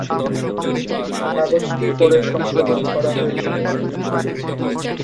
কাগজটি পরে সংশোধন করা হয়েছিল।